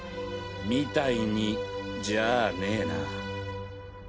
みたいにじゃあねぇな。